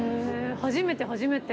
初めて初めて。